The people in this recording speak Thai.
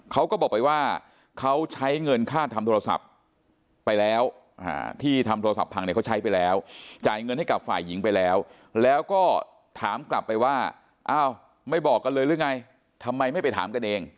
เขาก็บอกไปว่าเขาใช้เงินค่าทำโทรศัพท์ไปแล้วที่ทำโทรศัพท์พังเนี่ยเขาใช้ไปแล้วจ่ายเงินให้กับฝ่ายหญิงไปแล้วแล้วก็ถามกลับไปว่าอ้าวไม่บอกกันเลยหรือไงทำไมไม่ไปถามกันเอง